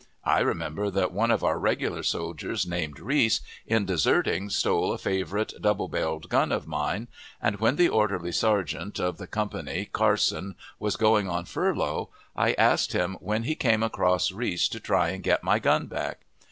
I remember that one of our regular soldiers, named Reese, in deserting stole a favorite double barreled gun of mine, and when the orderly sergeant of the company, Carson, was going on furlough, I asked him when he came across Reese to try and get my gun back.